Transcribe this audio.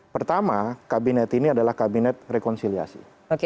pertama kabinet ini adalah kabinet rekonsiliasi